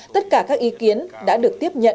tất cả các ý kiến đã được tiếp nhận